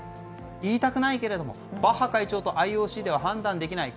言いたくないけれどもバッハ会長とＩＯＣでは判断できない。